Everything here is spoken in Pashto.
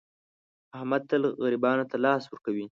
احمد تل غریبانو ته لاس ور کوي.